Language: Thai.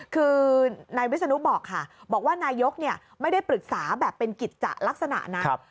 คือนายวิศนุบอกค่ะบอกว่านายกไม่ได้ปรึกษาแบบเป็นกิจจะลักษณะนะ